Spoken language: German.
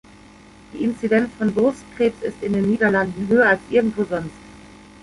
Die Inzidenz von Brustkrebs ist in den Niederlanden höher als irgendwo sonst.